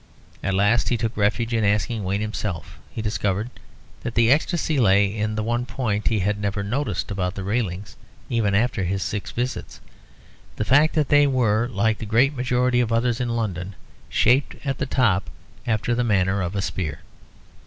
At last he took refuge in asking Wayne himself. He discovered that the ecstacy lay in the one point he had never noticed about the railings even after his six visits the fact that they were, like the great majority of others in London, shaped at the top after the manner of a spear.